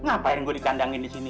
ngapain gue dikandangin disini